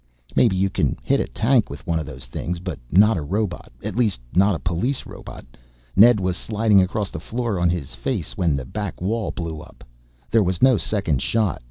Maybe you can hit a tank with one of those. But not a robot. At least not a police robot. Ned was sliding across the floor on his face when the back wall blew up. There was no second shot.